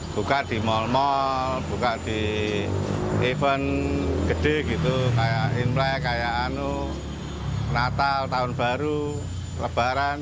buka di mal mal buka di event gede gitu kayak imlek kayak natal tahun baru lebaran